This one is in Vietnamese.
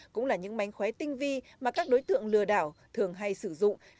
cũng là những mánh khóe tinh vi mà các đối tượng lừa đảo thường hay sử dụng